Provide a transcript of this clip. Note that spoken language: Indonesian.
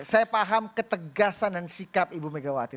saya paham ketegasan dan sikap ibu megawati